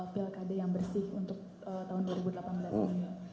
pilkada yang bersih untuk tahun dua ribu delapan belas ini